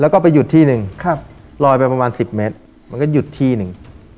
แล้วก็ไปหยุดที่หนึ่งลอยไปประมาณ๑๐เมตรมันก็หยุดที่หนึ่ง